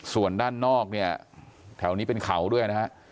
ส่วนด้านนอกเนี่ยแถวนี้เป็นเขาด้วยนะฮะ